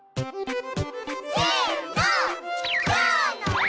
せの！